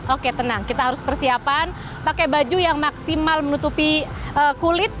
oke tenang kita harus persiapan pakai baju yang maksimal menutupi kulit